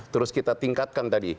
terus kita tingkatkan tadi